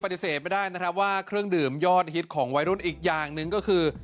ปฏิเสธไม่ได้นะครับว่าเครื่องดื่มยอดฮิตของวัยรุ่นอีกอย่างหนึ่งก็คือ